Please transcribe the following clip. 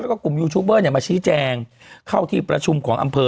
แล้วก็กลุ่มยูทูบเบอร์เนี่ยมาชี้แจงเข้าที่ประชุมของอำเภอ